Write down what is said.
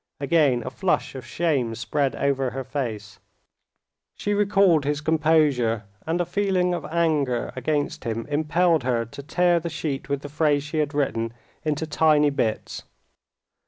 Again a flush of shame spread over her face; she recalled his composure, and a feeling of anger against him impelled her to tear the sheet with the phrase she had written into tiny bits.